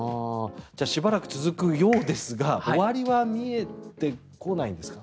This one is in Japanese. しばらく続くようですが終わりは見えてこないんですか？